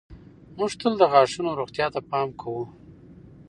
موږ تل د غاښونو روغتیا ته پام کوو.